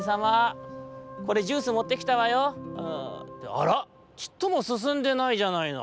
あらちっともすすんでないじゃないの。